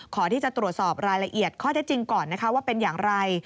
ที่จะตรวจสอบรายละเอียดข้อเท็จจริงก่อนนะคะว่าเป็นอย่างไร